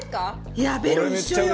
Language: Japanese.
いやあベロ一緒よ！